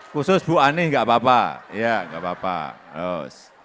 khusus bu ani enggak apa apa ya enggak apa apa terus